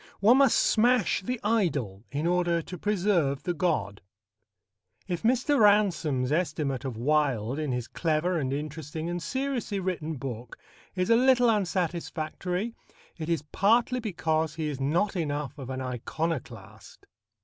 One must smash the idol in order to preserve the god. If Mr. Ransome's estimate of Wilde in his clever and interesting and seriously written book is a little unsatisfactory, it is partly because he is not enough of an iconoclast.